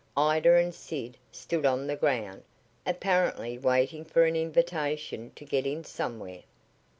Ida and Sid stood on the ground, apparently waiting for an invitation to get in somewhere.